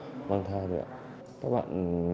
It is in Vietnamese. cái quá trình sinh môi giới của các bạn